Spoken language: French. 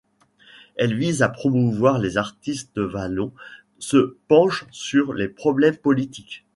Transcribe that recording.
Elle vise à promouvoir les artistes wallons, se penche sur les problèmes politiques.